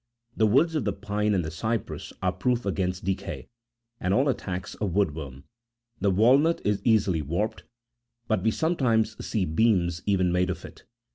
The woods of the pine and the cypress are proof against decay and all attacks of wood worm. The walnut is easily warped, but we sometimes see beams even made of it.